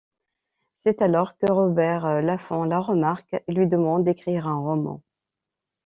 C'est alors que Robert Laffont la remarque et lui demande d'écrire un roman.